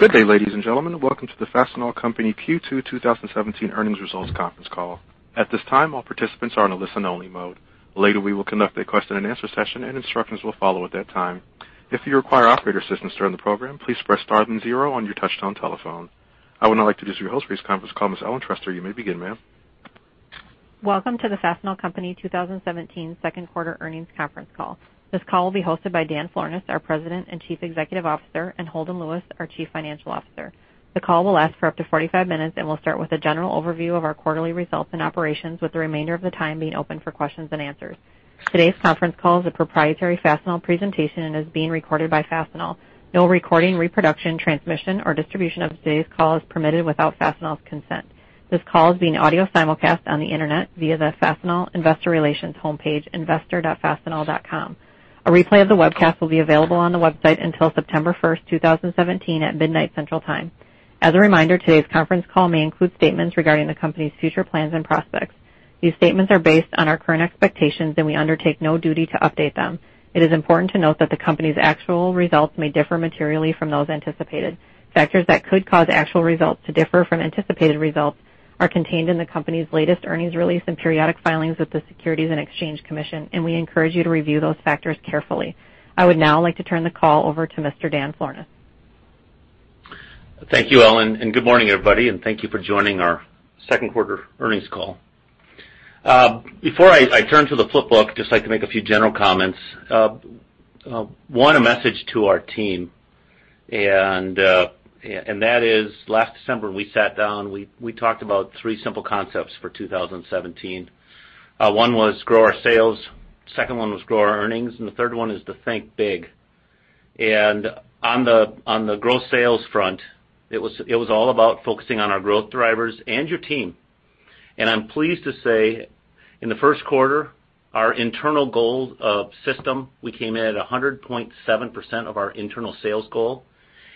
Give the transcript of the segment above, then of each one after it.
Good day, ladies and gentlemen. Welcome to the Fastenal Company Q2 2017 earnings results conference call. At this time, all participants are in a listen only mode. Later, we will conduct a question and answer session and instructions will follow at that time. If you require operator assistance during the program, please press star then zero on your touchtone telephone. I would now like to introduce your host for this conference call, Ms. Ellen Trester. You may begin, ma'am. Welcome to the Fastenal Company 2017 second quarter earnings conference call. This call will be hosted by Daniel Florness, our President and Chief Executive Officer, and Holden Lewis, our Chief Financial Officer. The call will last for up to 45 minutes and will start with a general overview of our quarterly results and operations, with the remainder of the time being open for questions and answers. Today's conference call is a proprietary Fastenal presentation and is being recorded by Fastenal. No recording, reproduction, transmission, or distribution of today's call is permitted without Fastenal's consent. This call is being audio simulcast on the internet via the Fastenal investor relations homepage, investor.fastenal.com. A replay of the webcast will be available on the website until September 1st, 2017, at midnight, Central Time. As a reminder, today's conference call may include statements regarding the company's future plans and prospects. These statements are based on our current expectations. We undertake no duty to update them. It is important to note that the company's actual results may differ materially from those anticipated. Factors that could cause actual results to differ from anticipated results are contained in the company's latest earnings release and periodic filings with the Securities and Exchange Commission. We encourage you to review those factors carefully. I would now like to turn the call over to Mr. Daniel Florness. Thank you, Ellen, and good morning, everybody, and thank you for joining our second quarter earnings call. Before I turn to the flip book, I'd just like to make a few general comments. One, a message to our team, and that is last December, we sat down, we talked about three simple concepts for 2017. One was grow our sales, second one was grow our earnings, and the third one is to think big. On the grow sales front, it was all about focusing on our growth drivers and your team. I'm pleased to say, in the first quarter, our internal goal of system, we came in at 100.7% of our internal sales goal.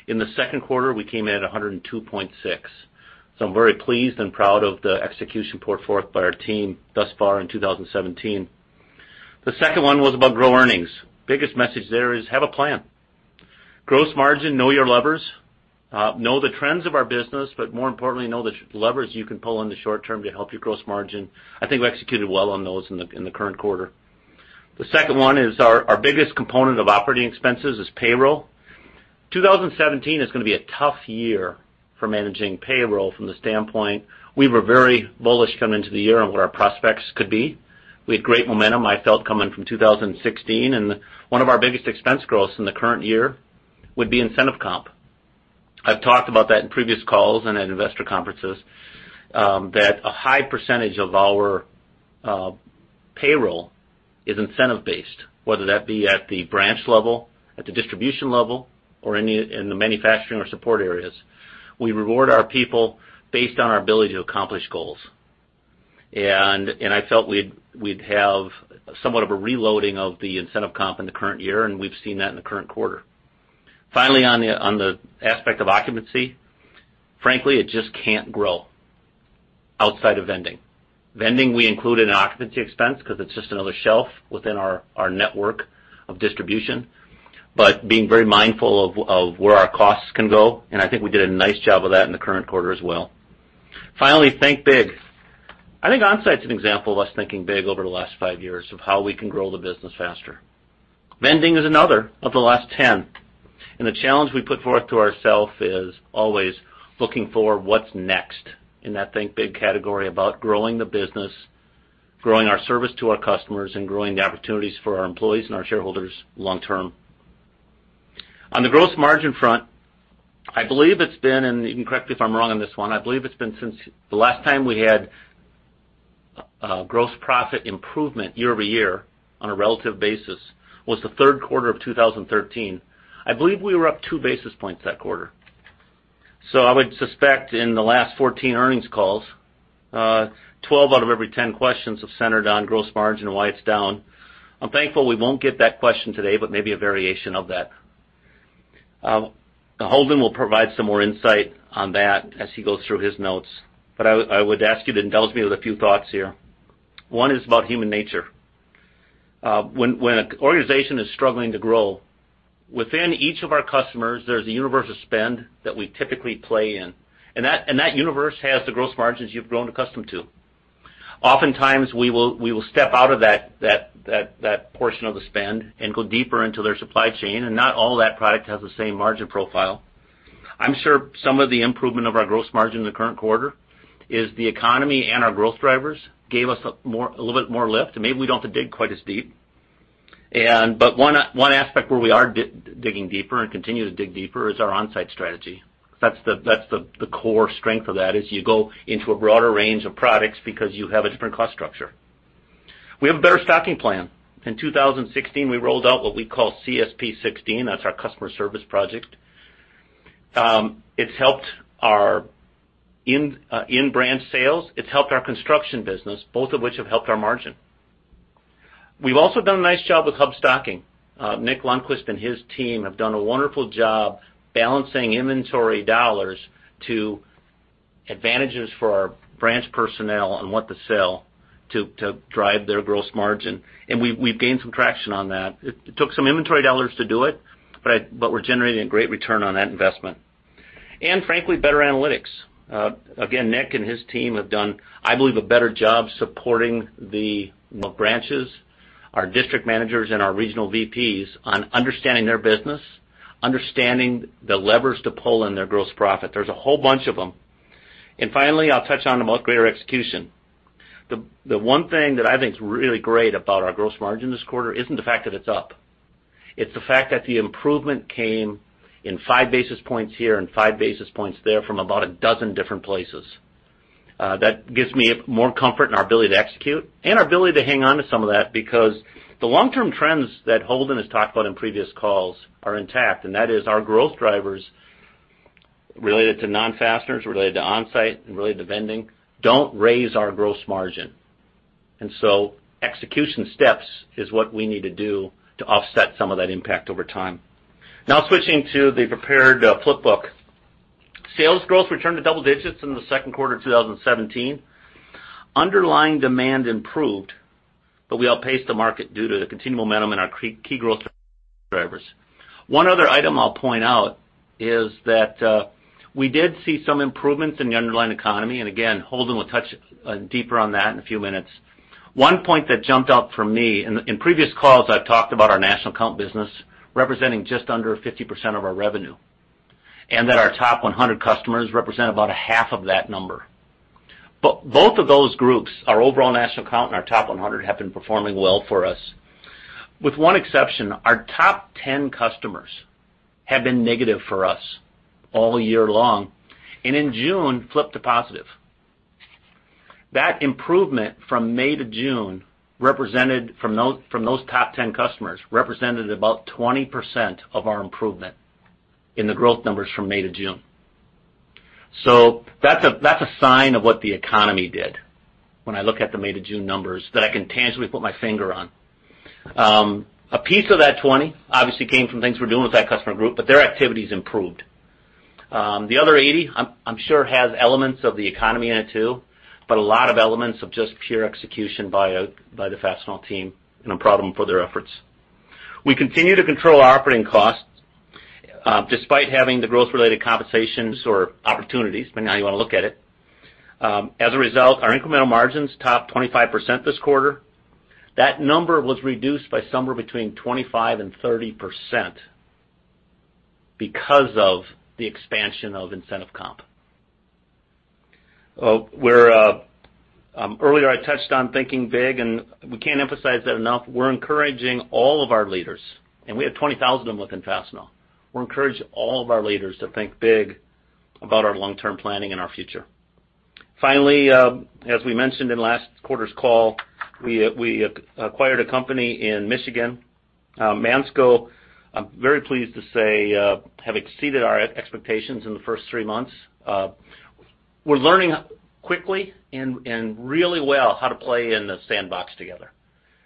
In the second quarter, we came in at 102.6%. I'm very pleased and proud of the execution put forth by our team thus far in 2017. The second one was about grow earnings. Biggest message there is have a plan. Gross margin, know your levers. Know the trends of our business, but more importantly, know the levers you can pull in the short term to help your gross margin. I think we executed well on those in the current quarter. The second one is our biggest component of operating expenses is payroll. 2017 is going to be a tough year for managing payroll from the standpoint. We were very bullish coming into the year on what our prospects could be. We had great momentum, I felt, coming from 2016. One of our biggest expense growth in the current year would be incentive comp. I've talked about that in previous calls and at investor conferences, that a high percentage of our payroll is incentive-based, whether that be at the branch level, at the distribution level, or in the manufacturing or support areas. We reward our people based on our ability to accomplish goals. I felt we'd have somewhat of a reloading of the incentive comp in the current year, and we've seen that in the current quarter. Finally, on the aspect of occupancy, frankly, it just can't grow outside of vending. Vending we include in occupancy expense because it's just another shelf within our network of distribution. Being very mindful of where our costs can go, I think we did a nice job of that in the current quarter as well. Finally, think big. I think Onsite's an example of us thinking big over the last five years of how we can grow the business faster. Vending is another of the last 10, The challenge we put forth to ourselves is always looking for what's next in that think big category about growing the business, growing our service to our customers, and growing the opportunities for our employees and our shareholders long term. On the gross margin front, I believe it's been, You can correct me if I'm wrong on this one, I believe it's been since the last time we had gross profit improvement year-over-year on a relative basis was the third quarter of 2013. I believe we were up two basis points that quarter. I would suspect in the last 14 earnings calls, 12 out of every 10 questions have centered on gross margin and why it's down. I'm thankful we won't get that question today, Maybe a variation of that. Holden will provide some more insight on that as he goes through his notes, I would ask you to indulge me with a few thoughts here. One is about human nature. When an organization is struggling to grow, within each of our customers, there's a universe of spend that we typically play in, That universe has the gross margins you've grown accustomed to. Oftentimes, we will step out of that portion of the spend and go deeper into their supply chain, Not all that product has the same margin profile. I'm sure some of the improvement of our gross margin in the current quarter is the economy. Our growth drivers gave us a little bit more lift, Maybe we don't have to dig quite as deep. One aspect where we are digging deeper and continue to dig deeper is our Onsite strategy. That's the core strength of that, is you go into a broader range of products because you have a different cost structure. We have a better stocking plan. In 2016, we rolled out what we call CSP 16. That's our customer service project. It's helped our in-brand sales. It's helped our construction business, both of which have helped our margin. We've also done a nice job with hub stocking. Nick Lundquist and his team have done a wonderful job balancing inventory dollars to advantages for our branch personnel on what to sell to drive their gross margin. We've gained some traction on that. It took some inventory dollars to do it, but we're generating a great return on that investment. Frankly, better analytics. Again, Nick and his team have done, I believe, a better job supporting the branches, our district managers, and our regional VPs on understanding their business, understanding the levers to pull in their gross profit. There's a whole bunch of them. Finally, I'll touch on about greater execution. The one thing that I think is really great about our gross margin this quarter isn't the fact that it's up. It's the fact that the improvement came in five basis points here and five basis points there from about a dozen different places. That gives me more comfort in our ability to execute and our ability to hang on to some of that, because the long-term trends that Holden has talked about in previous calls are intact, and that is our growth drivers related to non-fasteners, related to on-site and related to vending, don't raise our gross margin. Execution steps is what we need to do to offset some of that impact over time. Now switching to the prepared flip book. Sales growth returned to double digits in the second quarter of 2017. Underlying demand improved, but we outpaced the market due to the continued momentum in our key growth drivers. One other item I'll point out is that we did see some improvements in the underlying economy, and again, Holden will touch deeper on that in a few minutes. One point that jumped out for me, in previous calls, I've talked about our national account business representing just under 50% of our revenue, and that our top 100 customers represent about a half of that number. Both of those groups, our overall national account and our top 100, have been performing well for us. With one exception, our top 10 customers have been negative for us all year long, and in June, flipped to positive. That improvement from May to June from those top 10 customers, represented about 20% of our improvement in the growth numbers from May to June. That's a sign of what the economy did when I look at the May to June numbers that I can tangibly put my finger on. A piece of that 20 obviously came from things we're doing with that customer group, but their activities improved. The other 80, I'm sure, has elements of the economy in it too, but a lot of elements of just pure execution by the Fastenal team and praise for their efforts. We continue to control operating costs, despite having the growth-related compensations or opportunities, depending on how you want to look at it. As a result, our incremental margins topped 25% this quarter. That number was reduced by somewhere between 25% and 30% because of the expansion of incentive comp. Earlier, I touched on thinking big, and we can't emphasize that enough. We're encouraging all of our leaders, and we have 20,000 of them within Fastenal. We're encouraging all of our leaders to think big about our long-term planning and our future. Finally, as we mentioned in last quarter's call, we acquired a company in Michigan, Mansco. I'm very pleased to say have exceeded our expectations in the first three months. We're learning quickly and really well how to play in the sandbox together.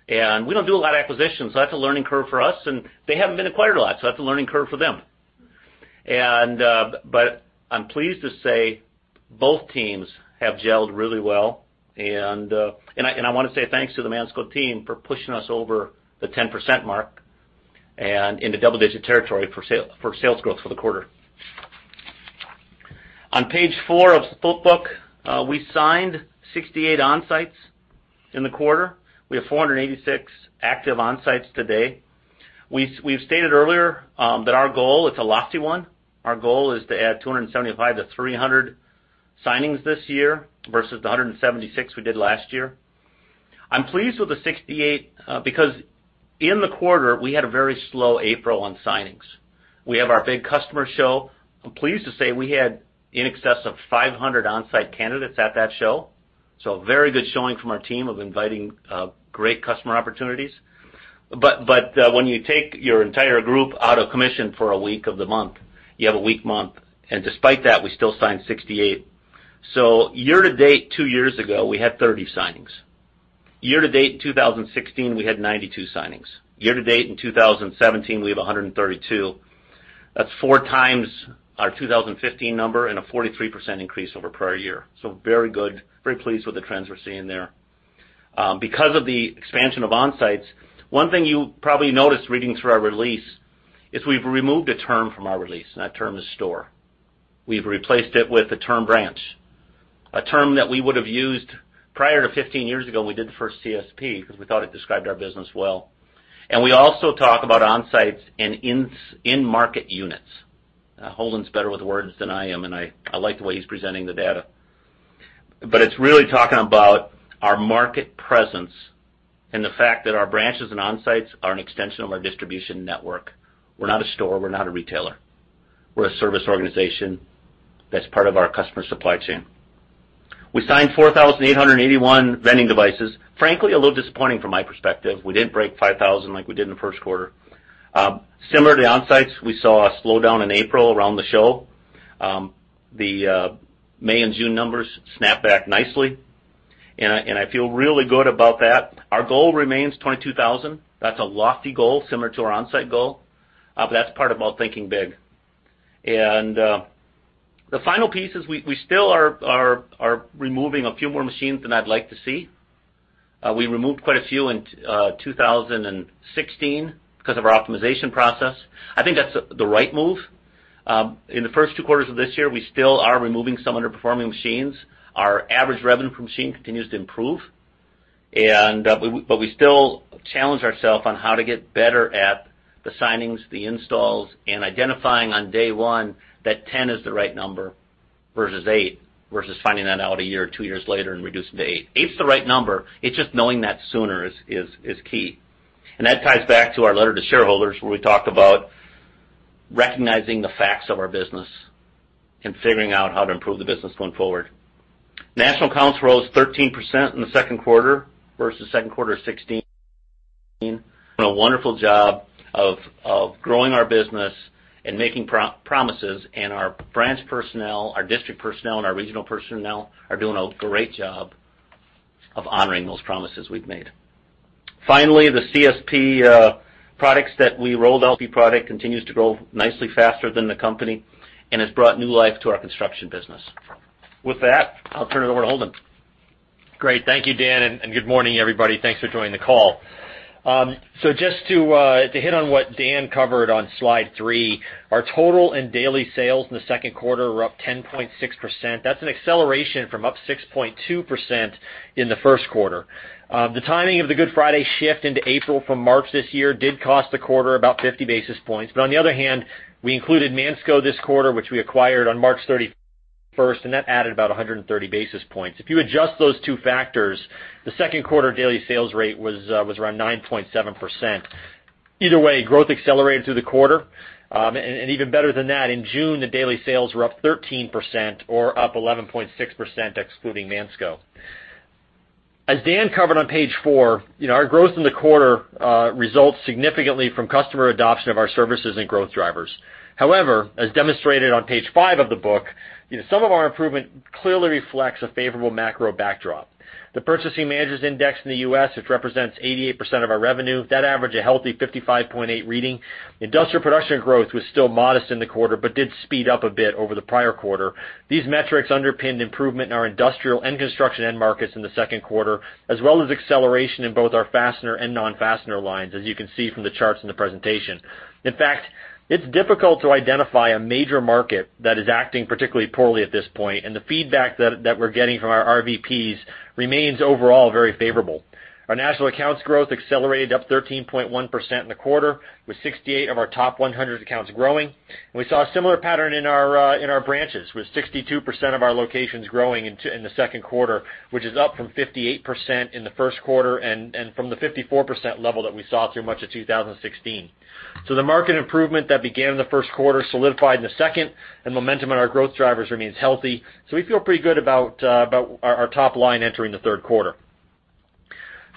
We don't do a lot of acquisitions. That's a learning curve for us, and they haven't been acquired a lot. That's a learning curve for them. I'm pleased to say both teams have gelled really well, and I want to say thanks to the Mansco team for pushing us over the 10% mark and into double-digit territory for sales growth for the quarter. On page four of the flip book, we signed 68 Onsites in the quarter. We have 486 active Onsites today. We've stated earlier that our goal, it's a lofty one, our goal is to add 275 to 300 signings this year versus the 176 we did last year. I'm pleased with the 68 because in the quarter, we had a very slow April on signings. We have our big customer show. I'm pleased to say we had in excess of 500 on-site candidates at that show. A very good showing from our team of inviting great customer opportunities. When you take your entire group out of commission for a week of the month, you have a weak month. Despite that, we still signed 68. Year to date, two years ago, we had 30 signings. Year to date in 2016, we had 92 signings. Year to date in 2017, we have 132. That's four times our 2015 number and a 43% increase over prior year. Very good. Very pleased with the trends we're seeing there. Because of the expansion of on-sites, one thing you probably noticed reading through our release is we've removed a term from our release, and that term is store. We've replaced it with the term branch, a term that we would have used prior to 15 years ago when we did the first CSP because we thought it described our business well. We also talk about on-sites and in-market units. Holden's better with words than I am, and I like the way he's presenting the data. It's really talking about our market presence and the fact that our branches and on-sites are an extension of our distribution network. We're not a store. We're not a retailer. We're a service organization that's part of our customer supply chain. We signed 4,881 vending devices. Frankly, a little disappointing from my perspective. We didn't break 5,000 like we did in the first quarter. Similar to the on-sites, we saw a slowdown in April around the show. The May and June numbers snapped back nicely. I feel really good about that. Our goal remains 22,000. That's a lofty goal, similar to our onsite goal, but that's part of our thinking big. The final piece is we still are removing a few more machines than I'd like to see. We removed quite a few in 2016 because of our optimization process. I think that's the right move. In the first two quarters of this year, we still are removing some underperforming machines. Our average revenue per machine continues to improve. We still challenge ourself on how to get better at the signings, the installs, and identifying on day one that 10 is the right number versus eight, versus finding that out a year or two years later and reducing to eight. Eight's the right number. It's just knowing that sooner is key. That ties back to our letter to shareholders, where we talked about recognizing the facts of our business and figuring out how to improve the business going forward. National accounts rose 13% in the second quarter versus second quarter of 2016. We've done a wonderful job of growing our business and making promises. Our branch personnel, our district personnel, and our regional personnel are doing a great job of honoring those promises we've made. Finally, the CSP products that we rolled out, CSP product continues to grow nicely faster than the company and has brought new life to our construction business. With that, I'll turn it over to Holden. Great. Thank you, Dan, and good morning, everybody. Thanks for joining the call. Just to hit on what Dan covered on slide three, our total and daily sales in the second quarter were up 10.6%. That's an acceleration from up 6.2% in the first quarter. The timing of the Good Friday shift into April from March this year did cost the quarter about 50 basis points. On the other hand, we included Mansco this quarter, which we acquired on March 31st, and that added about 130 basis points. If you adjust those two factors, the second quarter daily sales rate was around 9.7%. Either way, growth accelerated through the quarter. Even better than that, in June, the daily sales were up 13% or up 11.6% excluding Mansco. As Dan covered on page four, our growth in the quarter results significantly from customer adoption of our services and growth drivers. However, as demonstrated on page five of the book, some of our improvement clearly reflects a favorable macro backdrop. The Purchasing Managers' Index in the U.S., which represents 88% of our revenue, that averaged a healthy 55.8 reading. Industrial production growth was still modest in the quarter but did speed up a bit over the prior quarter. These metrics underpinned improvement in our industrial and construction end markets in the second quarter, as well as acceleration in both our fastener and non-fastener lines, as you can see from the charts in the presentation. In fact, it's difficult to identify a major market that is acting particularly poorly at this point, and the feedback that we're getting from our RVPs remains overall very favorable. Our national accounts growth accelerated up 13.1% in the quarter, with 68 of our top 100 accounts growing. We saw a similar pattern in our branches, with 62% of our locations growing in the second quarter, which is up from 58% in the first quarter and from the 54% level that we saw through much of 2016. The market improvement that began in the first quarter solidified in the second, momentum on our growth drivers remains healthy. We feel pretty good about our top line entering the third quarter.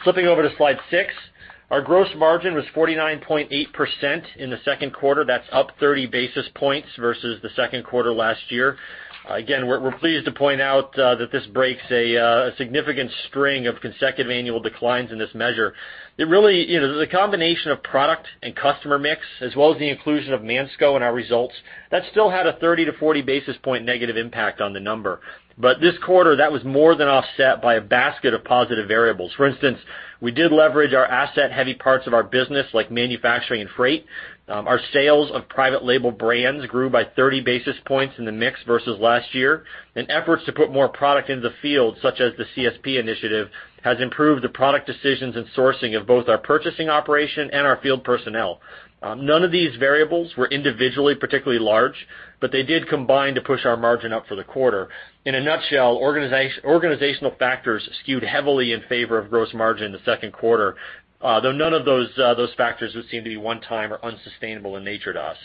Flipping over to slide six, our gross margin was 49.8% in the second quarter. That's up 30 basis points versus the second quarter last year. Again, we're pleased to point out that this breaks a significant string of consecutive annual declines in this measure. The combination of product and customer mix, as well as the inclusion of Mansco in our results, that still had a 30 to 40 basis point negative impact on the number. This quarter, that was more than offset by a basket of positive variables. For instance, we did leverage our asset-heavy parts of our business, like manufacturing and freight. Our sales of private label brands grew by 30 basis points in the mix versus last year. Efforts to put more product into the field, such as the CSP initiative, has improved the product decisions and sourcing of both our purchasing operation and our field personnel. None of these variables were individually particularly large, but they did combine to push our margin up for the quarter. In a nutshell, organizational factors skewed heavily in favor of gross margin in the second quarter, though none of those factors would seem to be one-time or unsustainable in nature to us.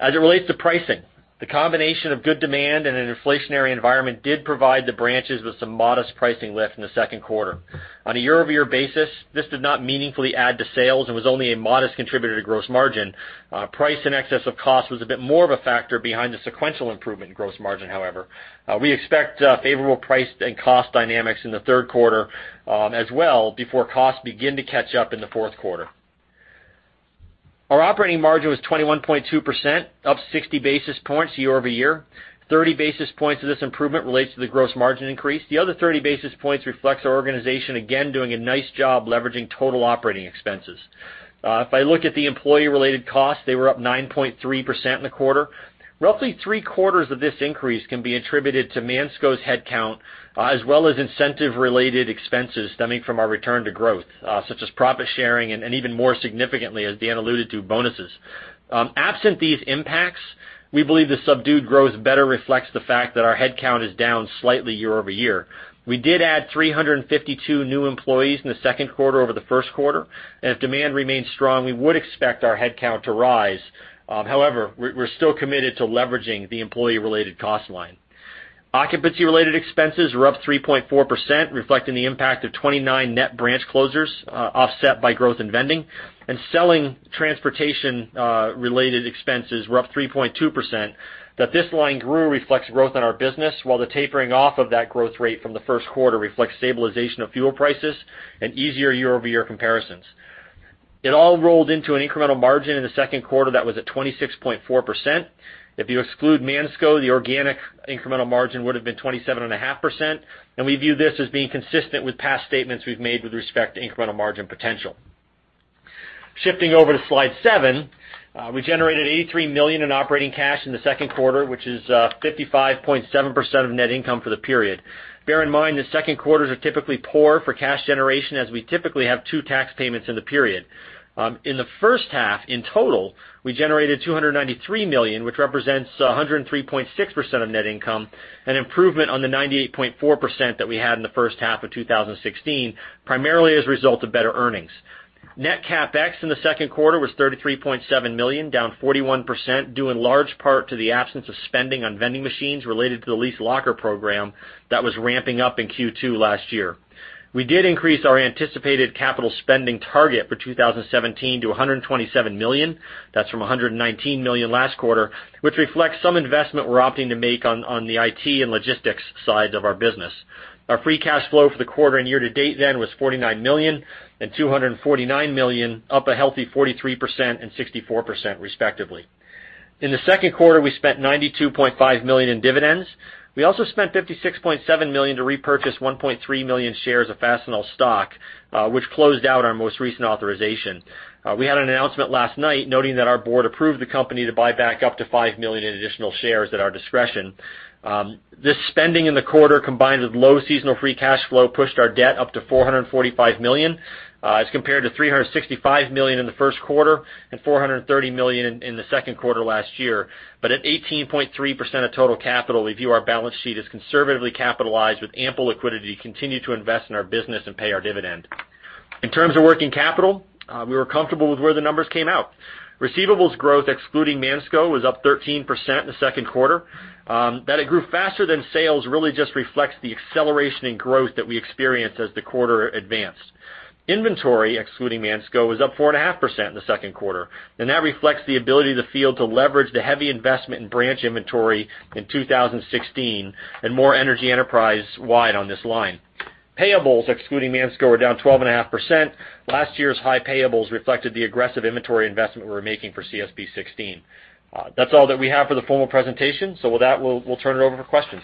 As it relates to pricing, the combination of good demand and an inflationary environment did provide the branches with some modest pricing lift in the second quarter. On a year-over-year basis, this did not meaningfully add to sales and was only a modest contributor to gross margin. Price in excess of cost was a bit more of a factor behind the sequential improvement in gross margin, however. We expect favorable price and cost dynamics in the third quarter as well, before costs begin to catch up in the fourth quarter. Our operating margin was 21.2%, up 60 basis points year over year. 30 basis points of this improvement relates to the gross margin increase. The other 30 basis points reflects our organization, again, doing a nice job leveraging total operating expenses. If I look at the employee-related costs, they were up 9.3% in the quarter. Roughly three-quarters of this increase can be attributed to Mansco's headcount, as well as incentive-related expenses stemming from our return to growth, such as profit sharing and even more significantly, as Dan alluded to, bonuses. Absent these impacts, we believe the subdued growth better reflects the fact that our headcount is down slightly year-over-year. We did add 352 new employees in the second quarter over the first quarter, and if demand remains strong, we would expect our headcount to rise. However, we're still committed to leveraging the employee-related cost line. Occupancy-related expenses were up 3.4%, reflecting the impact of 29 net branch closures, offset by growth in vending. Selling transportation-related expenses were up 3.2%. That this line grew reflects growth in our business, while the tapering off of that growth rate from the first quarter reflects stabilization of fuel prices and easier year-over-year comparisons. It all rolled into an incremental margin in the second quarter that was at 26.4%. If you exclude Mansco, the organic incremental margin would've been 27.5%. We view this as being consistent with past statements we've made with respect to incremental margin potential. Shifting over to slide seven, we generated $83 million in operating cash in the second quarter, which is 55.7% of net income for the period. Bear in mind that second quarters are typically poor for cash generation, as we typically have two tax payments in the period. In the first half, in total, we generated $293 million, which represents 103.6% of net income, an improvement on the 98.4% that we had in the first half of 2016, primarily as a result of better earnings. Net CapEx in the second quarter was $33.7 million, down 41%, due in large part to the absence of spending on vending machines related to the leased locker program that was ramping up in Q2 last year. We did increase our anticipated capital spending target for 2017 to $127 million. That's from $119 million last quarter, which reflects some investment we're opting to make on the IT and logistics sides of our business. Our free cash flow for the quarter and year-to-date was $49 million and $249 million, up a healthy 43% and 64% respectively. In the second quarter, we spent $92.5 million in dividends. We also spent $56.7 million to repurchase 1.3 million shares of Fastenal stock, which closed out our most recent authorization. We had an announcement last night noting that our board approved the company to buy back up to 5 million in additional shares at our discretion. This spending in the quarter, combined with low seasonal free cash flow, pushed our debt up to $445 million, as compared to $365 million in the first quarter and $430 million in the second quarter last year. At 18.3% of total capital, we view our balance sheet as conservatively capitalized with ample liquidity to continue to invest in our business and pay our dividend. In terms of working capital, we were comfortable with where the numbers came out. Receivables growth, excluding Mansco, was up 13% in the second quarter. That it grew faster than sales really just reflects the acceleration in growth that we experienced as the quarter advanced. Inventory, excluding Mansco, was up 4.5% in the second quarter, and that reflects the ability of the field to leverage the heavy investment in branch inventory in 2016 and more energy enterprise-wide on this line. Payables, excluding Mansco, were down 12.5%. Last year's high payables reflected the aggressive inventory investment we were making for CSP2016. That's all that we have for the formal presentation. With that, we'll turn it over for questions.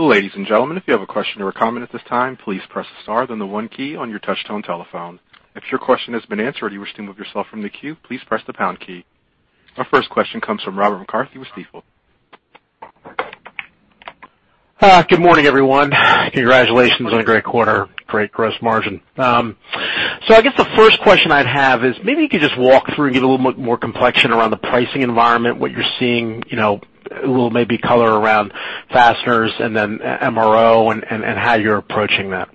Ladies and gentlemen, if you have a question or a comment at this time, please press star, then the one key on your touch tone telephone. If your question has been answered and you wish to remove yourself from the queue, please press the pound key. Our first question comes from Robert McCarthy with Stifel. Good morning, everyone. Congratulations on a great quarter. Great gross margin. I guess the first question I'd have is, maybe you could just walk through and give a little more complexion around the pricing environment, what you're seeing, a little maybe color around fasteners and then MRO and how you're approaching that.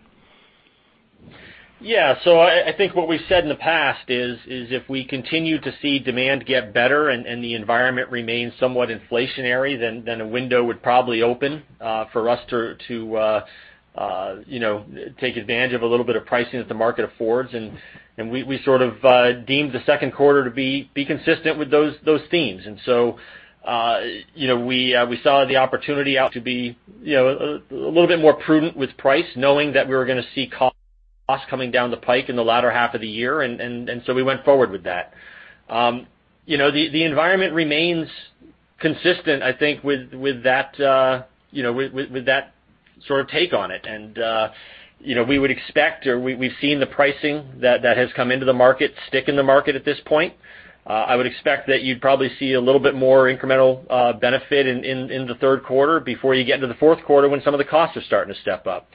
Yeah. I think what we said in the past is, if we continue to see demand get better and the environment remains somewhat inflationary, then a window would probably open for us to take advantage of a little bit of pricing that the market affords. We sort of deemed the second quarter to be consistent with those themes. We saw the opportunity out to be a little bit more prudent with price, knowing that we were going to see costs coming down the pike in the latter half of the year. We went forward with that. The environment remains consistent, I think, with that sort of take on it, and we would expect, or we've seen the pricing that has come into the market stick in the market at this point. I would expect that you'd probably see a little bit more incremental benefit in the third quarter before you get into the fourth quarter when some of the costs are starting to step up.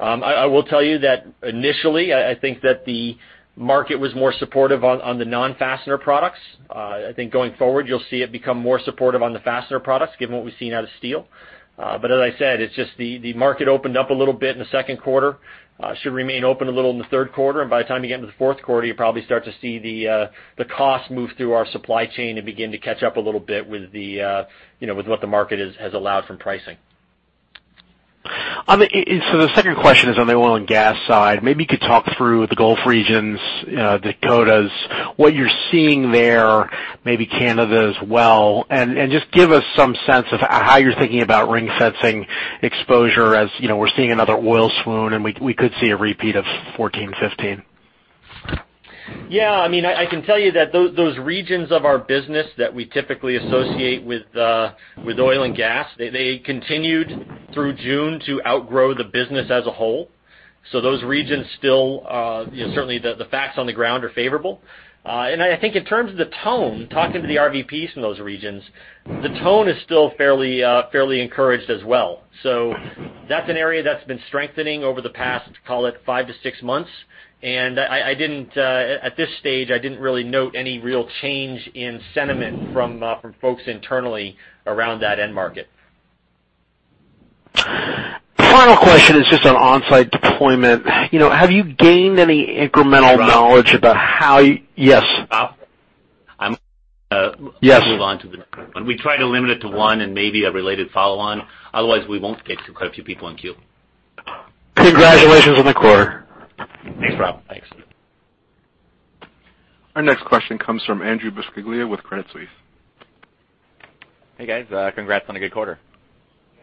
I will tell you that initially, I think that the market was more supportive on the non-fastener products. I think going forward, you'll see it become more supportive on the fastener products, given what we've seen out of steel. As I said, it's just the market opened up a little bit in the second quarter. Should remain open a little in the third quarter, and by the time you get into the fourth quarter, you'll probably start to see the cost move through our supply chain and begin to catch up a little bit with what the market has allowed from pricing. The second question is on the oil and gas side. Maybe you could talk through the Gulf regions, the Dakotas, what you're seeing there, maybe Canada as well, and just give us some sense of how you're thinking about ring fencing exposure, as we're seeing another oil swoon, and we could see a repeat of 2014, 2015. Yeah. I can tell you that those regions of our business that we typically associate with oil and gas, they continued through June to outgrow the business as a whole. Those regions still, certainly the facts on the ground are favorable. I think in terms of the tone, talking to the RVPs from those regions, the tone is still fairly encouraged as well. That's an area that's been strengthening over the past, call it five to six months, and at this stage, I didn't really note any real change in sentiment from folks internally around that end market. Final question is just on onsite deployment. Have you gained any incremental knowledge about how Yes. Bob? Yes. I'm going to move on to the next one. We try to limit it to one and maybe a related follow-on. Otherwise, we won't get to quite a few people in queue. Congratulations on the quarter. Thanks, Rob. Our next question comes from Andrew Bisciglia with Credit Suisse. Hey, guys. Congrats on a good quarter.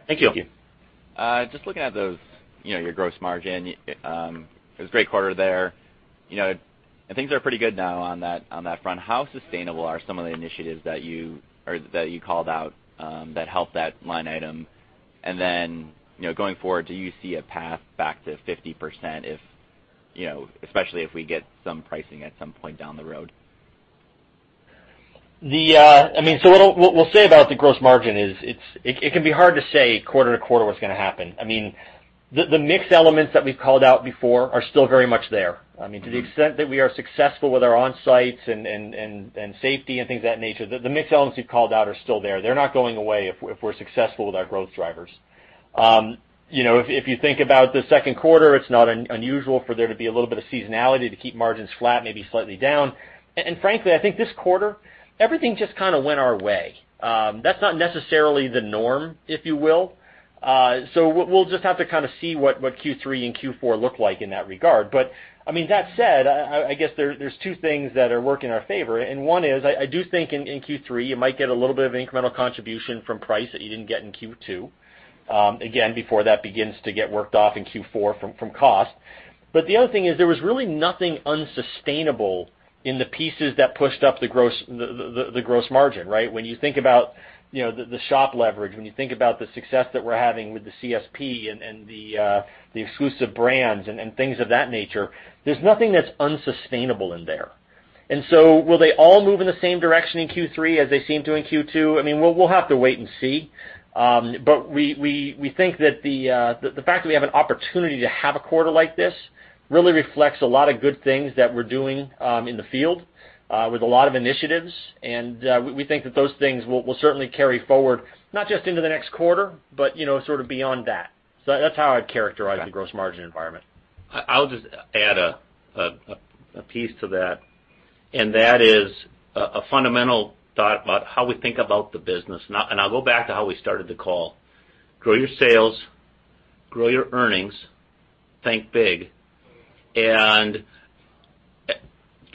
Thank you. Thank you. Just looking at your gross margin. It was a great quarter there. Things are pretty good now on that front. How sustainable are some of the initiatives that you called out that help that line item? Going forward, do you see a path back to 50%, especially if we get some pricing at some point down the road? What we'll say about the gross margin is, it can be hard to say quarter to quarter what's going to happen. The mix elements that we've called out before are still very much there. To the extent that we are successful with our onsites and safety and things of that nature, the mix elements we've called out are still there. They're not going away if we're successful with our growth drivers. If you think about the second quarter, it's not unusual for there to be a little bit of seasonality to keep margins flat, maybe slightly down. Frankly, I think this quarter, everything just kind of went our way. That's not necessarily the norm, if you will. We'll just have to kind of see what Q3 and Q4 look like in that regard. That said, I guess there's two things that are working our favor. One is, I do think in Q3, you might get a little bit of incremental contribution from price that you didn't get in Q2, again, before that begins to get worked off in Q4 from cost. The other thing is there was really nothing unsustainable in the pieces that pushed up the gross margin, right? When you think about the shop leverage, when you think about the success that we're having with the CSP and the exclusive brands and things of that nature, there's nothing that's unsustainable in there. Will they all move in the same direction in Q3 as they seem to in Q2? We'll have to wait and see. We think that the fact that we have an opportunity to have a quarter like this really reflects a lot of good things that we're doing in the field with a lot of initiatives. We think that those things will certainly carry forward, not just into the next quarter, but sort of beyond that. That's how I'd characterize the gross margin environment. I'll just add a piece to that, and that is a fundamental thought about how we think about the business now. I'll go back to how we started the call. Grow your sales, grow your earnings, think big. From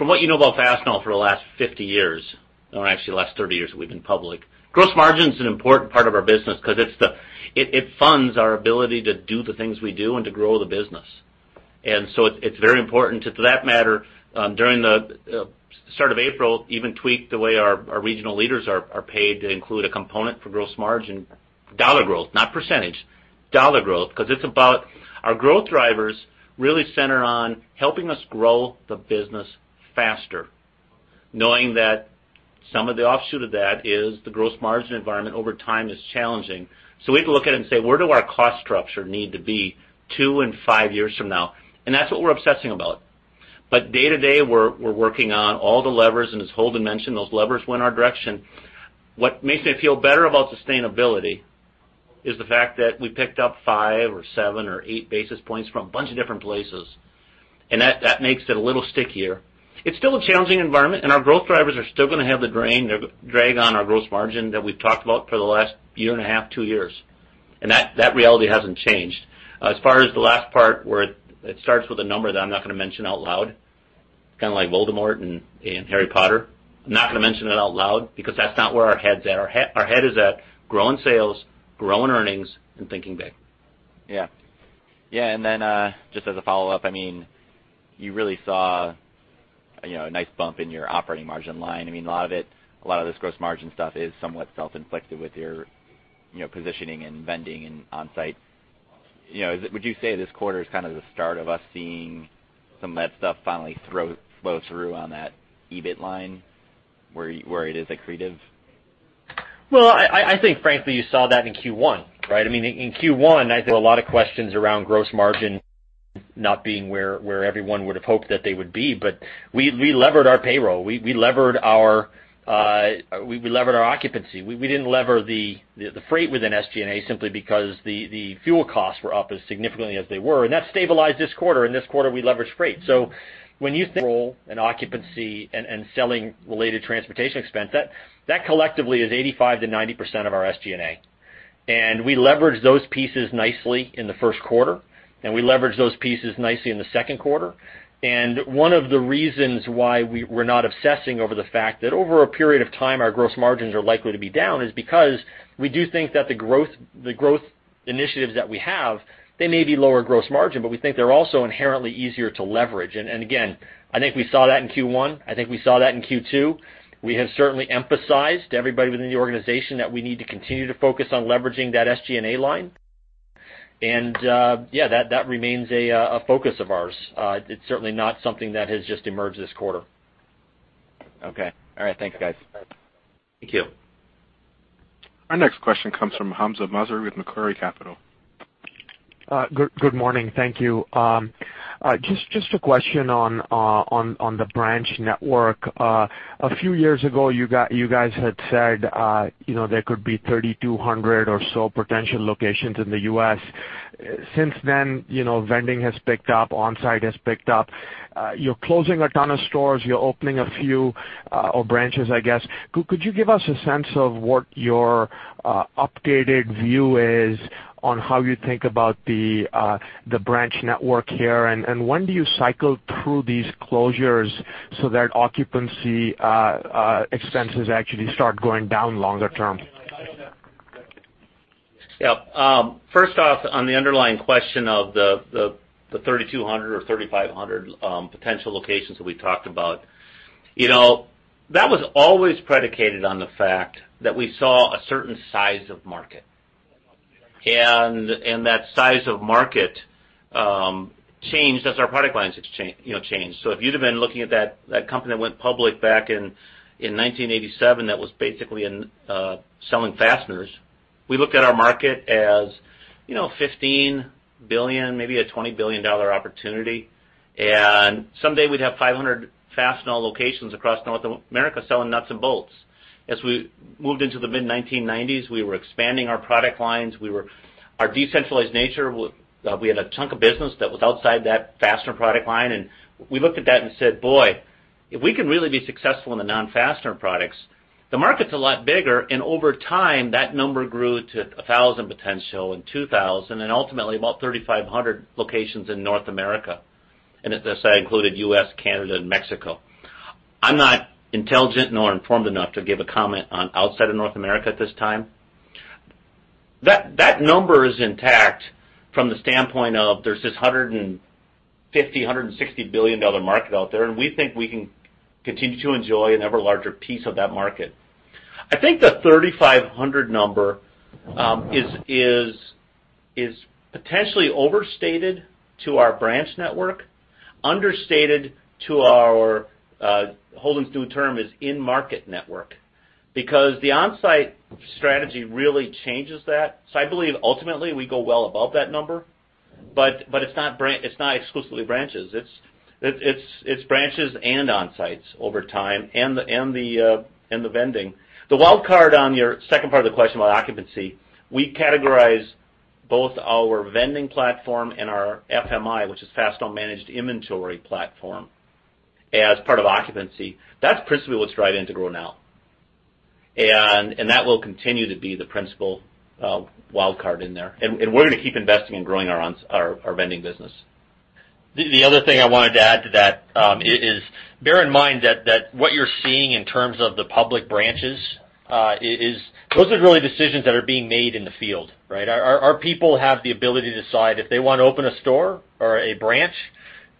what you know about Fastenal for the last 50 years, or actually the last 30 years that we've been public, gross margin's an important part of our business because it funds our ability to do the things we do and to grow the business. It's very important to that matter, during the start of April, even tweaked the way our regional leaders are paid to include a component for gross margin, dollar growth, not %, dollar growth. It's about our growth drivers really center on helping us grow the business faster, knowing that some of the offshoot of that is the gross margin environment over time is challenging. We have to look at it and say, "Where do our cost structure need to be two and five years from now?" That's what we're obsessing about. Day to day, we're working on all the levers, and as Holden mentioned, those levers went our direction. What makes me feel better about sustainability is the fact that we picked up five or seven or eight basis points from a bunch of different places, and that makes it a little stickier. It's still a challenging environment, and our growth drivers are still going to have the drain. They're going to drag on our gross margin that we've talked about for the last year and a half, two years, and that reality hasn't changed. As far as the last part where it starts with a number that I'm not going to mention out loud, kind of like Voldemort in "Harry Potter." I'm not going to mention it out loud because that's not where our head's at. Our head is at growing sales, growing earnings, and thinking big. Yeah. Just as a follow-up, you really saw a nice bump in your operating margin line. A lot of this gross margin stuff is somewhat self-inflicted with your positioning and vending and onsite. Would you say this quarter is kind of the start of us seeing some of that stuff finally flow through on that EBIT line, where it is accretive? Well, I think frankly you saw that in Q1, right? In Q1, I think a lot of questions around gross margin not being where everyone would've hoped that they would be. We levered our payroll. We levered our occupancy. We didn't lever the freight within SG&A simply because the fuel costs were up as significantly as they were, and that stabilized this quarter, and this quarter we leveraged freight. When you think roll and occupancy and selling related transportation expense, that collectively is 85%-90% of our SG&A. We leveraged those pieces nicely in the first quarter, and we leveraged those pieces nicely in the second quarter. One of the reasons why we're not obsessing over the fact that over a period of time our gross margins are likely to be down is because we do think that the growth initiatives that we have, they may be lower gross margin, but we think they're also inherently easier to leverage. Again, I think we saw that in Q1. I think we saw that in Q2. We have certainly emphasized to everybody within the organization that we need to continue to focus on leveraging that SG&A line. Yeah, that remains a focus of ours. It's certainly not something that has just emerged this quarter. Okay. All right. Thank you, guys. Thank you. Our next question comes from Hamza Mazhar with Macquarie Capital. Good morning. Thank you. Just a question on the branch network. A few years ago, you guys had said there could be 3,200 or so potential locations in the U.S. Since then, vending has picked up, onsite has picked up. You're closing a ton of stores, you're opening a few branches, I guess. Could you give us a sense of what your updated view is on how you think about the branch network here, and when do you cycle through these closures so that occupancy expenses actually start going down longer term? First off, on the underlying question of the 3,200 or 3,500 potential locations that we talked about. That was always predicated on the fact that we saw a certain size of market, and that size of market changed as our product lines changed. If you'd have been looking at that company that went public back in 1987, that was basically selling fasteners, we looked at our market as $15 billion, maybe a $20 billion opportunity, and someday we'd have 500 Fastenal locations across North America selling nuts and bolts. As we moved into the mid-1990s, we were expanding our product lines. Our decentralized nature, we had a chunk of business that was outside that fastener product line, and we looked at that and said, "Boy, if we can really be successful in the non-fastener products, the market's a lot bigger." Over time, that number grew to 1,000 potential and 2,000, and ultimately about 3,500 locations in North America. As I said, included U.S., Canada, and Mexico. I'm not intelligent nor informed enough to give a comment on outside of North America at this time. That number is intact from the standpoint of there's this $150 billion, $160 billion market out there, and we think we can continue to enjoy an ever larger piece of that market. I think the 3,500 number is potentially overstated to our branch network, understated to our, Holden's new term is in-market network, because the on-site strategy really changes that. I believe ultimately we go well above that number. But it's not exclusively branches. It's branches and on-sites over time, and the vending. The wild card on your second part of the question about occupancy, we categorize both our vending platform and our FMI, which is Fastenal Managed Inventory platform, as part of occupancy. That's principally what's driving to grow now. That will continue to be the principal wild card in there. We're going to keep investing in growing our vending business. The other thing I wanted to add to that, is bear in mind that what you're seeing in terms of the public branches, those are really decisions that are being made in the field, right? Our people have the ability to decide if they want to open a store or a branch,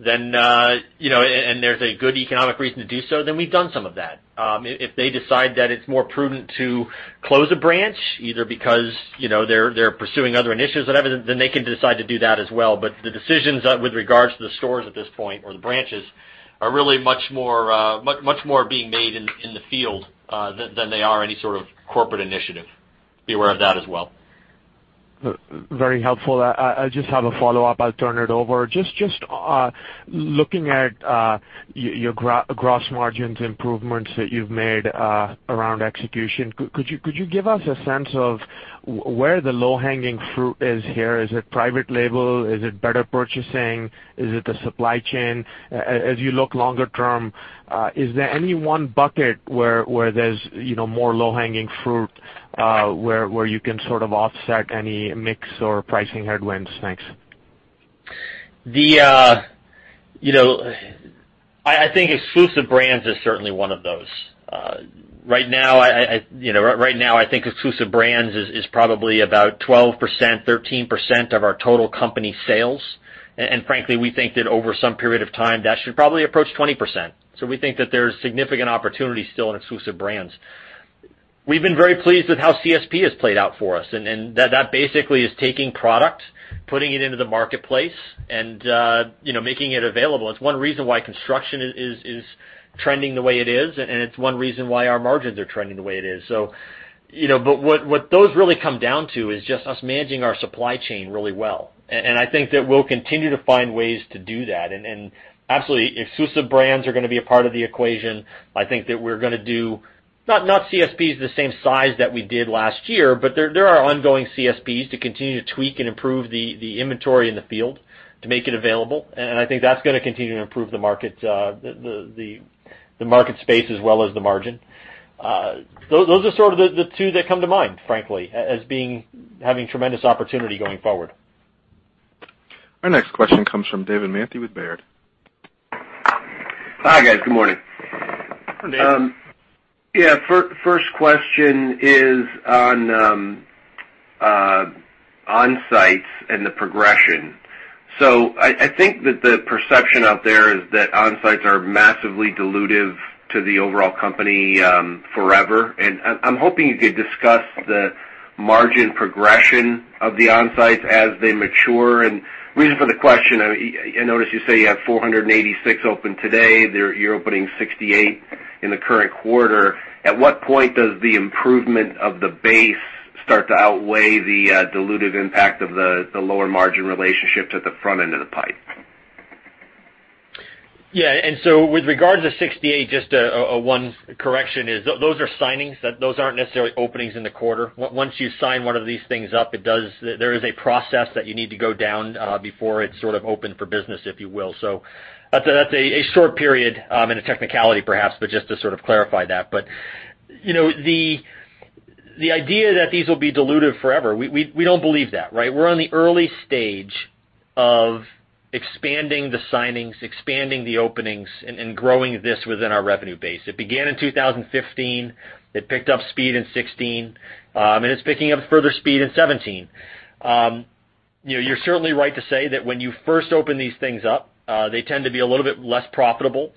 and there's a good economic reason to do so, then we've done some of that. If they decide that it's more prudent to close a branch, either because they're pursuing other initiatives or whatever, then they can decide to do that as well. The decisions with regards to the stores at this point, or the branches, are really much more being made in the field than they are any sort of corporate initiative. Be aware of that as well. Very helpful. I just have a follow-up. I'll turn it over. Just looking at your gross margins improvements that you've made around execution, could you give us a sense of where the low-hanging fruit is here? Is it private label? Is it better purchasing? Is it the supply chain? As you look longer term, is there any one bucket where there's more low-hanging fruit, where you can sort of offset any mix or pricing headwinds? Thanks. I think exclusive brands is certainly one of those. Right now, I think exclusive brands is probably about 12%-13% of our total company sales. Frankly, we think that over some period of time, that should probably approach 20%. We think that there's significant opportunity still in exclusive brands. We've been very pleased with how CSP has played out for us, and that basically is taking product, putting it into the marketplace and making it available. It's one reason why construction is trending the way it is, and it's one reason why our margins are trending the way it is. What those really come down to is just us managing our supply chain really well. I think that we'll continue to find ways to do that. Absolutely, exclusive brands are going to be a part of the equation. I think that we're going to do not CSPs the same size that we did last year, but there are ongoing CSPs to continue to tweak and improve the inventory in the field to make it available. I think that's going to continue to improve the market space as well as the margin. Those are sort of the two that come to mind, frankly, as having tremendous opportunity going forward. Our next question comes from David Manthey with Baird. Hi, guys. Good morning. Hi, Dave. Yeah. First question is on on-sites and the progression. I think that the perception out there is that on-sites are massively dilutive to the overall company forever, and I'm hoping you could discuss the margin progression of the on-sites as they mature. Reason for the question, I noticed you say you have 486 open today. You're opening 68 in the current quarter. At what point does the improvement of the base start to outweigh the dilutive impact of the lower margin relationship to the front end of the pipe? Yeah. With regards to 68, just one correction is, those are signings. Those aren't necessarily openings in the quarter. Once you sign one of these things up, there is a process that you need to go down before it's sort of open for business, if you will. That's a short period and a technicality perhaps, but just to sort of clarify that. The idea that these will be dilutive forever, we don't believe that, right? We're on the early stage of expanding the signings, expanding the openings, and growing this within our revenue base. It began in 2015. It picked up speed in 2016, and it's picking up further speed in 2017. You're certainly right to say that when you first open these things up, they tend to be a little bit less profitable.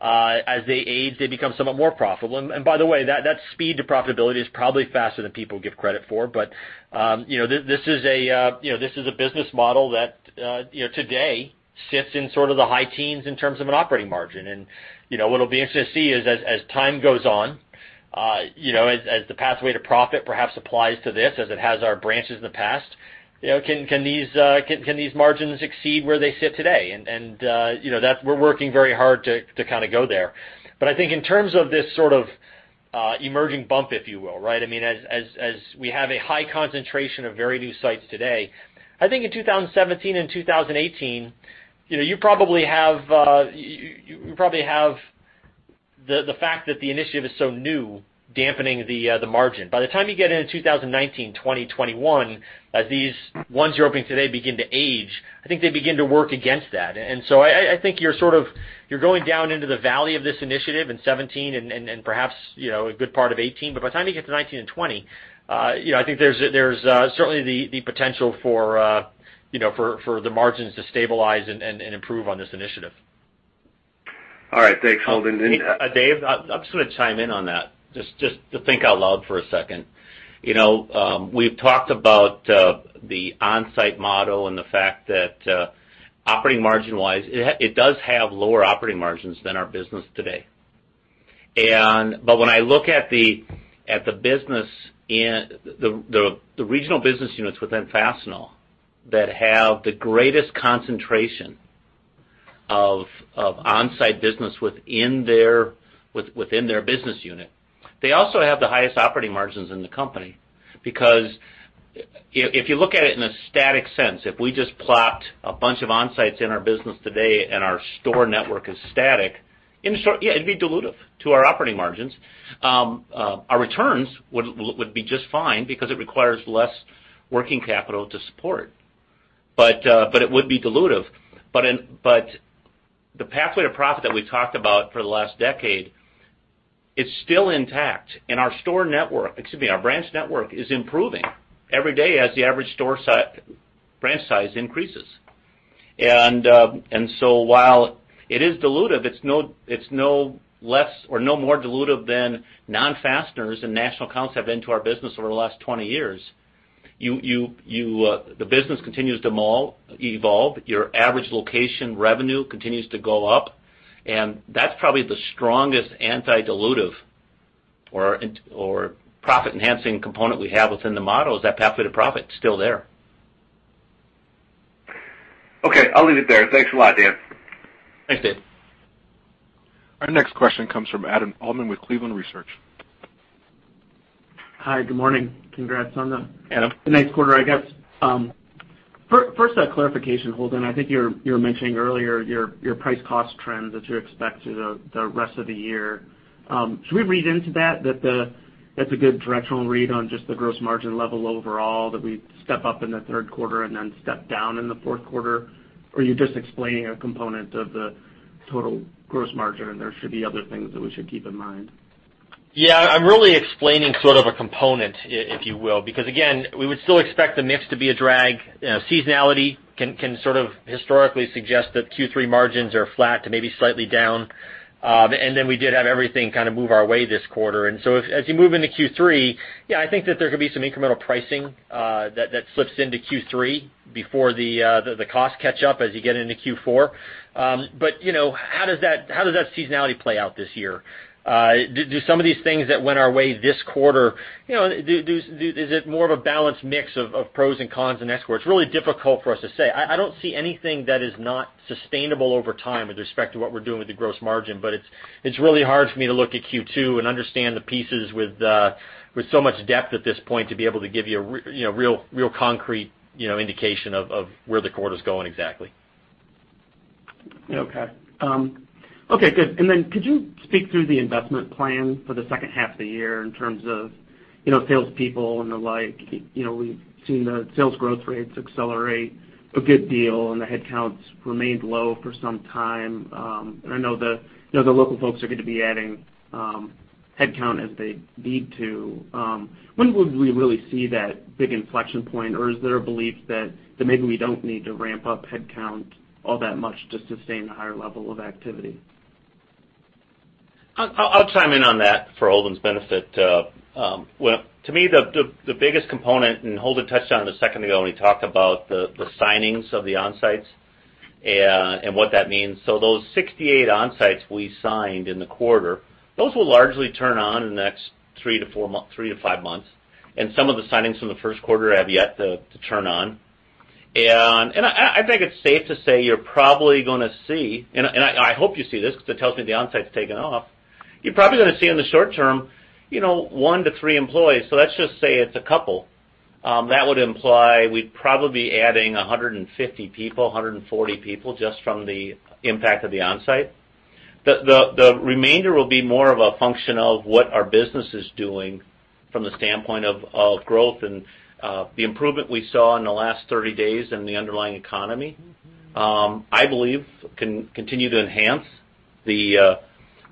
As they age, they become somewhat more profitable. By the way, that speed to profitability is probably faster than people give credit for. This is a business model that, today, sits in sort of the high teens in terms of an operating margin. What'll be interesting to see is as time goes on, as the pathway to profit perhaps applies to this as it has our branches in the past, can these margins exceed where they sit today? We're working very hard to kind of go there. I think in terms of this sort of emerging bump, if you will, right? As we have a high concentration of very new sites today, I think in 2017 and 2018, you probably have the fact that the initiative is so new, dampening the margin. By the time you get into 2019, 2020, 2021, as these ones you're opening today begin to age, I think they begin to work against that. I think you're going down into the valley of this initiative in 2017 and perhaps a good part of 2018, but by the time you get to 2019 and 2020, I think there's certainly the potential for the margins to stabilize and improve on this initiative. All right. Thanks, Holden. Dave, I'm just going to chime in on that, just to think out loud for a second. We've talked about the on-site model and the fact that operating margin-wise, it does have lower operating margins than our business today. When I look at the regional business units within Fastenal that have the greatest concentration of on-site business within their business unit, they also have the highest operating margins in the company. Because if you look at it in a static sense, if we just plopped a bunch of on-sites in our business today and our store network is static, in the short, yeah, it'd be dilutive to our operating margins. Our returns would be just fine because it requires less working capital to support, but it would be dilutive. The pathway to profit that we have talked about for the last decade, it is still intact, and our branch network is improving every day as the average branch size increases. While it is dilutive, it is no more dilutive than non-fasteners and national accounts have been to our business over the last 20 years. The business continues to evolve. Your average location revenue continues to go up, and that is probably the strongest anti-dilutive or profit-enhancing component we have within the model, is that pathway to profit is still there. Okay, I will leave it there. Thanks a lot, Dan. Thanks, Dave. Our next question comes from Adam Altman with Cleveland Research. Hi. Good morning. Congrats. Adam Nice quarter, I guess. First, a clarification, Holden. I think you were mentioning earlier your price cost trends that you expect through the rest of the year. Should we read into that that's a good directional read on just the gross margin level overall, that we step up in the third quarter and then step down in the fourth quarter? Are you just explaining a component of the total gross margin, and there should be other things that we should keep in mind? Yeah, I'm really explaining sort of a component, if you will, because again, we would still expect the mix to be a drag. Seasonality can sort of historically suggest that Q3 margins are flat to maybe slightly down. We did have everything kind of move our way this quarter. As you move into Q3, yeah, I think that there could be some incremental pricing that slips into Q3 before the cost catch up as you get into Q4. How does that seasonality play out this year? Do some of these things that went our way this quarter, is it more of a balanced mix of pros and cons in escrow? It's really difficult for us to say. I don't see anything that is not sustainable over time with respect to what we're doing with the gross margin, it's really hard for me to look at Q2 and understand the pieces with so much depth at this point, to be able to give you a real concrete indication of where the quarter's going exactly. Okay. Okay, good. Could you speak through the investment plan for the second half of the year in terms of salespeople and the like? We've seen the sales growth rates accelerate a good deal, and the headcounts remained low for some time. I know the local folks are going to be adding headcount as they need to. When would we really see that big inflection point, or is there a belief that maybe we don't need to ramp up headcount all that much to sustain a higher level of activity? I'll chime in on that for Holden's benefit. Well, to me, the biggest component, Holden touched on it a second ago when he talked about the signings of the on-sites, and what that means. Those 68 on-sites we signed in the quarter, those will largely turn on in the next three to five months, and some of the signings from the first quarter have yet to turn on. I think it's safe to say you're probably going to see, and I hope you see this because it tells me the on-site's taking off. You're probably going to see in the short term one to three employees, so let's just say it's a couple. That would imply we'd probably be adding 150 people, 140 people, just from the impact of the on-site. The remainder will be more of a function of what our business is doing from the standpoint of growth and the improvement we saw in the last 30 days in the underlying economy. I believe this can continue to enhance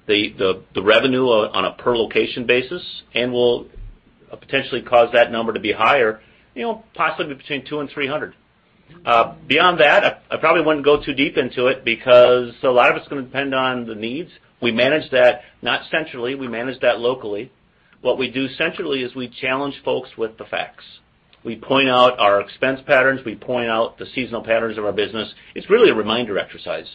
the revenue on a per location basis and will potentially cause that number to be higher, possibly between two and 300. Beyond that, I probably wouldn't go too deep into it because a lot of it's going to depend on the needs. We manage that, not centrally. We manage that locally. What we do centrally is we challenge folks with the facts. We point out our expense patterns. We point out the seasonal patterns of our business. It's really a reminder exercise.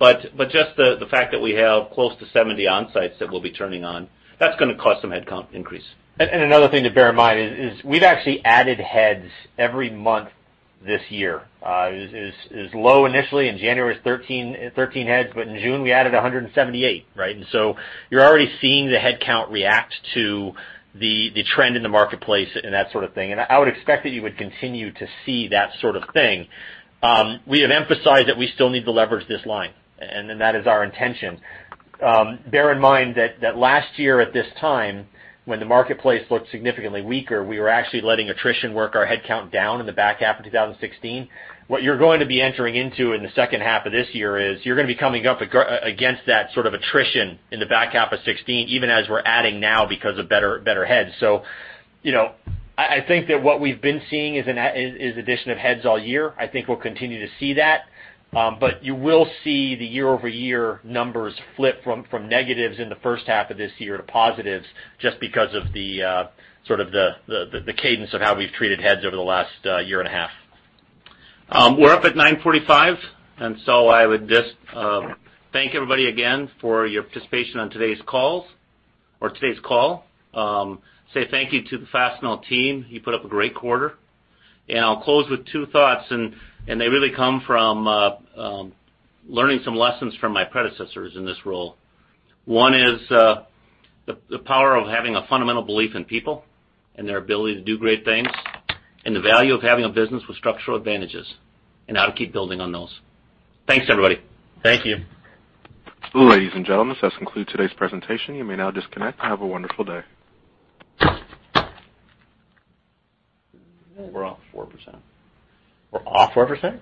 Just the fact that we have close to 70 on-sites that we'll be turning on, that's going to cause some headcount increase. Another thing to bear in mind is we've actually added heads every month this year. It was low initially in January, it's 13 heads, but in June, we added 178, right? You're already seeing the headcount react to the trend in the marketplace and that sort of thing. I would expect that you would continue to see that sort of thing. We have emphasized that we still need to leverage this line, that is our intention. Bear in mind that last year at this time, when the marketplace looked significantly weaker, we were actually letting attrition work our headcount down in the back half of 2016. What you're going to be entering into in the second half of this year is you're going to be coming up against that sort of attrition in the back half of 2016, even as we're adding now because of better heads. I think that what we've been seeing is an addition of heads all year. I think we'll continue to see that. You will see the year-over-year numbers flip from negatives in the first half of this year to positives just because of the sort of the cadence of how we've treated heads over the last year and a half. We're up at 9:45 A.M. I would just thank everybody again for your participation on today's call. Say thank you to the Fastenal team. You put up a great quarter. I'll close with two thoughts, they really come from learning some lessons from my predecessors in this role. One is the power of having a fundamental belief in people and their ability to do great things, the value of having a business with structural advantages, I'll keep building on those. Thanks, everybody. Thank you. Ladies and gentlemen, this concludes today's presentation. You may now disconnect. Have a wonderful day. We're off 4%. We're off 4%?